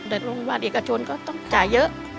มารหวัดเอกชนก็ต้องจ่ายเยอะ